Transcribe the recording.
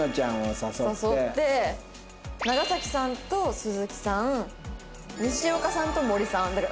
長さんと鈴木さん西岡さんと森さん。